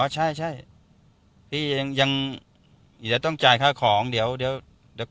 อ๋อใช่ใช่พี่ยังยังเดี๋ยวต้องจ่ายค่าของเดี๋ยวเดี๋ยวเดี๋ยว